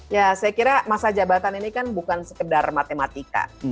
ya saya kira masa jabatan ini kan bukan sekedar matematika